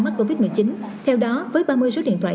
mắc covid một mươi chín theo đó với ba mươi số điện thoại